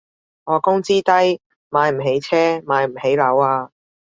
我工資低，買唔起車買唔起樓啊